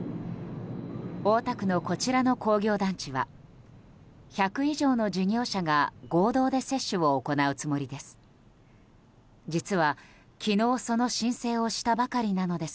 大田区のこちらの工業団地は１００以上の事業者が合同で接種を行うつもりです。